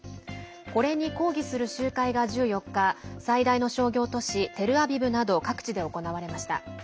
これに抗議する集会が１４日最大の商業都市テルアビブなど各地で行われました。